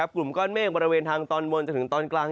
กลุ่มก้อนเมฆบริเวณทางตอนบนจนถึงตอนกลาง